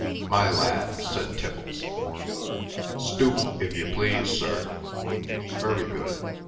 "My lad," said Tiffles. "Stoop, if you please, sir." "Very good.